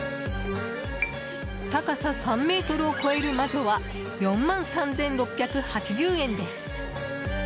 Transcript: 高さ３ｍを超える魔女は４万３６８０円です。